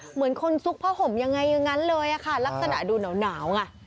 เหมือนคนซุกพ่อผมอย่างไรอย่างงั้นเลยครับลักษณะดูนาว